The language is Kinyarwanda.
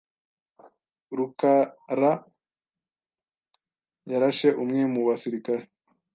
rukarayarashe umwe mu basirikare.